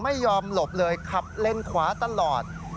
ไม่ยอมหลบเลยขับเลนขวาตลอด